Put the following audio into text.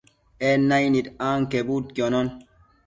En naicnid anquebudquionon